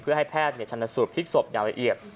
เพื่อให้แพทย์ชนสูตรพลิกศพอย่างละเอียด